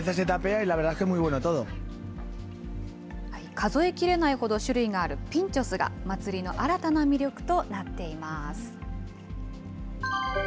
数えきれないほど種類があるピンチョスが、祭りの新たな魅力となっています。